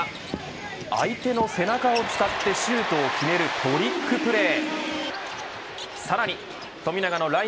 かわむらは相手の背中を使ってシュートを決めるトリックプレー。